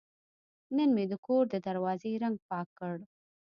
نن مې د کور د دروازې رنګ پاک کړ.